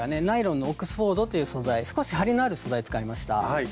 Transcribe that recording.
ナイロンのオックスフォードという素材少し張りのある素材使いました。